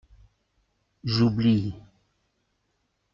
J’oublie.